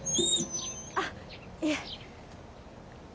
あっいえ。